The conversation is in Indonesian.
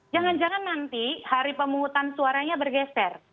jangan jangan nanti hari pemungutan suaranya bergeser